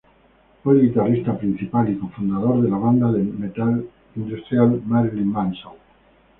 Fue el guitarrista principal y cofundador de la banda de metal industrial Marilyn Manson.